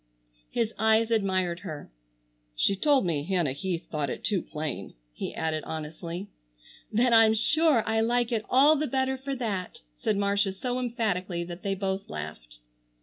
His eyes admired her. "She told me Hannah Heath thought it too plain," he added honestly. "Then I'm sure I like it all the better for that," said Marcia so emphatically that they both laughed.